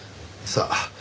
さあ。